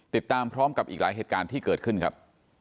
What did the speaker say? ติดตามพร้อมกับอีกหลายเหตุการณ์ที่เกิดขึ้นครับ